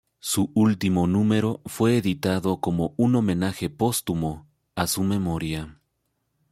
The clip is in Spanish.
Su último número fue editado como un homenaje póstumo a su memoria.